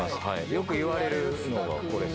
よくいわれるのがこれっすね。